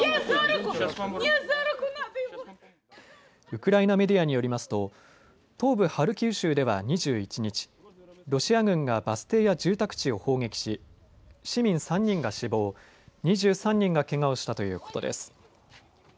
ウクライナメディアによりますと東部ハルキウ州では２１日、ロシア軍がバス停や住宅地を砲撃し市民３人が死亡２３人がけがをしたということです。